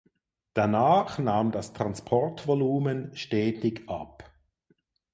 Danach nahm das Transportvolumen stetig ab.